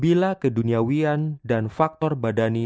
bila keduniawian dan faktor badani